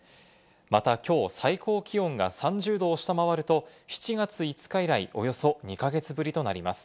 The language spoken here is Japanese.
また、きょう最高気温が３０度を下回ると、７月５日以来およそ２か月ぶりとなります。